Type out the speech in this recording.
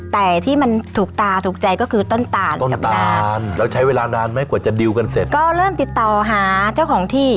แต่คุณลูกค้าอย่าเอากลับบ้านนะคะ